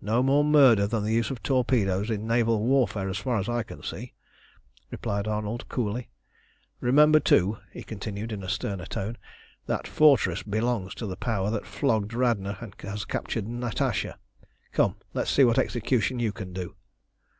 "No more murder than the use of torpedoes in naval warfare, as far as I can see," replied Arnold coolly. "Remember, too," he continued in a sterner tone, "that fortress belongs to the power that flogged Radna and has captured Natasha. Come, let's see what execution you can do."